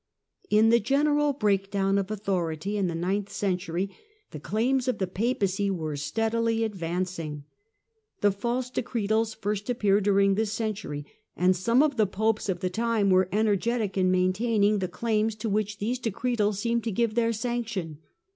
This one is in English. In the general breakdown of authority in the ninth ThePapacy century, the claims of the Papacy were steadily advanc ing. The " False Decretals " first appear during this century, and some of the Popes of the time were energetic in maintaining the claims to which these decretals seemed to give their sanction.